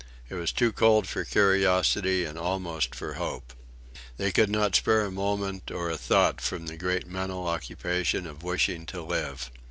It was too cold for curiosity, and almost for hope. They could not spare a moment or a thought from the great mental occupation of wishing to live.